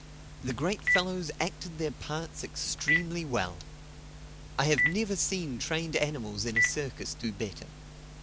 The great fellows acted their parts extremely well. I have never seen trained animals in a circus do better.